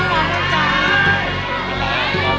ไฟเฟิร์นร้อง